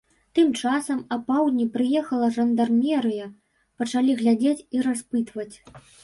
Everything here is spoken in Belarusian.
Тым часам апаўдні прыехала жандармерыя, пачалі глядзець і распытваць.